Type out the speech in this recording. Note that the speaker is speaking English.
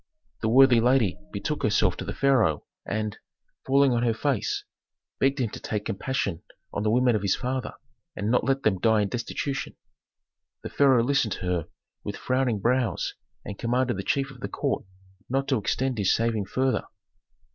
The worthy lady betook herself to the pharaoh, and, falling on her face, begged him to take compassion on the women of his father, and not let them die in destitution. The pharaoh listened to her with frowning brows and commanded the chief of the court not to extend his saving farther.